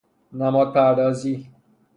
نماد پردازی